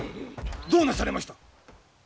どうなされました！